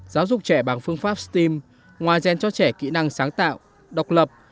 giáo dục trẻ bằng phương pháp steam ngoài dành cho trẻ kỹ năng sáng tạo độc lập